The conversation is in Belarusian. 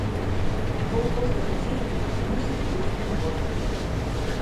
Бо ў кожнага дзеяння мусіць быць выгода.